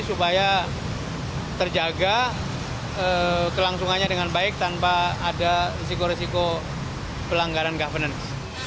supaya terjaga kelangsungannya dengan baik tanpa ada risiko risiko pelanggaran governance